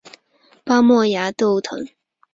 巴莫崖豆藤